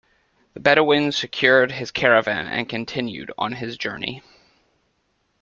The Bedouin secured his caravan and continued on his journey.